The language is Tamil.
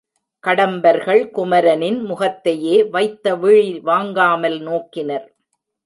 கடம்பர்கள் குமரனின் முகத்தையே வைத்தவிழி வாங்காமல் நோக்கினர்.